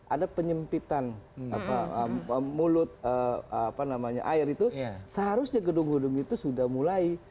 ada penyempitan mulut air itu seharusnya gedung gedung itu sudah mulai